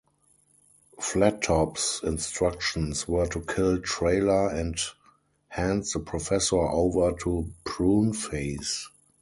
Flattop's instructions were to kill Trailer and hand the Professor over to Pruneface.